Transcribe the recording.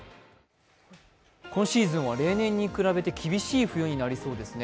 今シーズンは例年に比べて厳しい冬になりそうですね。